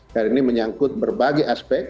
karena ini menyangkut berbagai aspek